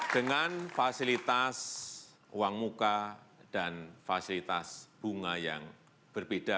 dengan fasilitas uang muka dan fasilitas bunga yang berbeda